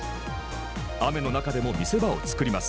雨の中でも見せ場を作ります。